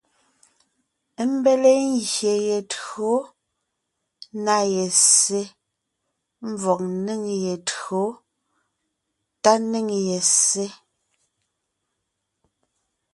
Ḿbéle ngyè ye tÿǒ na ye ssé (ḿvɔg ńnéŋ ye tÿǒ tá ńnéŋ ye ssé).